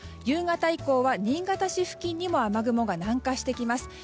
夕方以降は新潟市付近にも雨雲が南下してきます。